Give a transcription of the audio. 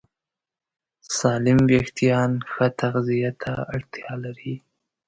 سالم وېښتيان ښه تغذیه ته اړتیا لري.